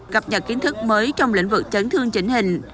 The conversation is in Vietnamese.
gặp nhận kiến thức mới trong lĩnh vực chấn thương chỉnh hình